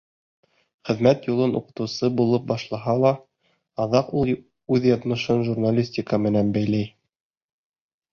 Хеҙмәт юлын уҡытыусы булып башлаһа ла, аҙаҡ ул яҙмышын журналистика менән бәйләй.